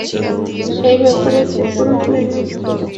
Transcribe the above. আর সেই ব্যাপারে তুই পুরোপুরি নিশ্চিত?